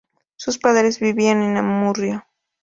Sus padres vivían en Amurrio.